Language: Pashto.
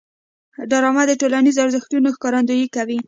ډرامه د ټولنیزو ارزښتونو ښکارندويي کوي